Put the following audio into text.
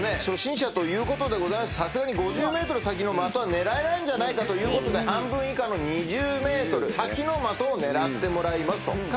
初心者ということでさすがに５０ｍ先の的は狙えないんじゃないかということで半分以下の２０ｍ先の的を狙ってもらいますと。